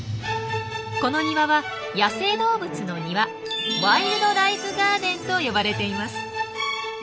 この庭は野生動物の庭「ワイルドライフガーデン」と呼ばれています。